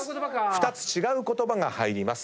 ２つ違う言葉が入ります。